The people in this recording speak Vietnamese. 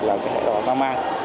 là hệ đo giao man